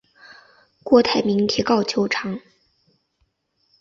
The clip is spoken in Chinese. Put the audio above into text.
郭台铭提告求偿。